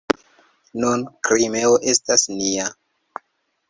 Nun Krimeo estas nia.